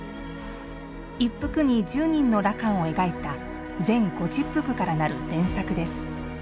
一幅に１０人の羅漢を描いた全５０幅からなる連作です。